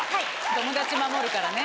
友達守るからね。